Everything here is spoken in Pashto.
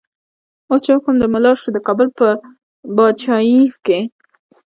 اوس چی حکم د ملا شو، د کابل په با چايې کی